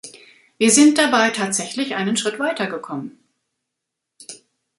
Wir sind dabei tatsächlich einen Schritt weiter gekommen.